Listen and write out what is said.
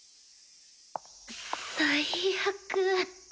最悪。